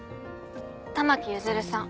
玉木譲さん。